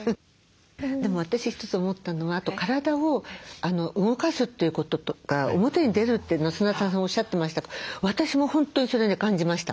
でも私一つ思ったのはあと体を動かすということとか表に出るって砂田さんがおっしゃってましたが私も本当にそれね感じました。